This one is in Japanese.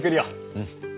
うん。